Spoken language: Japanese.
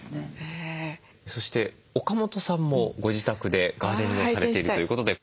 そして岡本さんもご自宅でガーデニングをされているということで。